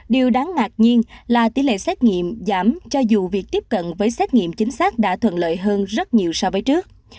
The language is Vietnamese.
điều đáng ngạc nhiên là tỷ lệ xét nghiệm giảm cho dù việc tiếp cận với xét nghiệm chính xác đã thuận lợi hơn rất nhiều so với trước